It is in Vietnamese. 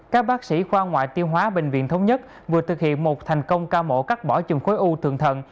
các bác sĩ khoa ngoại tiêu hóa bệnh viện thống nhất vừa thực hiện một thành công ca mổ cắt bỏ chùm khối u thường thận